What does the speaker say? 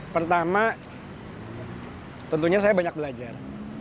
pertama tentunya saya banyak belajar